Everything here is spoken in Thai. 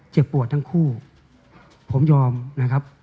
เจ็บปวดทั้งคู่ผมยอมนะครับ